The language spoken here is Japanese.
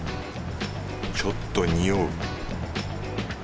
ちょっとにおう